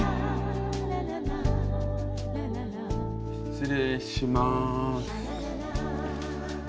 失礼します。